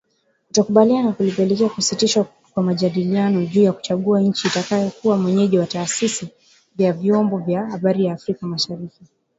Kutokukubaliana kulipelekea kusitishwa kwa majadiliano juu ya kuchagua nchi itakayokuwa mwenyeji wa Taasisi ya Vyombo vya Habari Afrika Mashariki